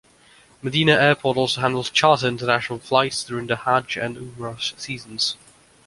Medina Airport also handles charter international flights during the Hajj and Umrah seasons.